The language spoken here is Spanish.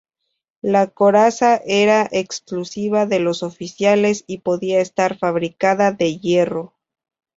La coraza era exclusiva de los oficiales y podía estar fabricada de hierro.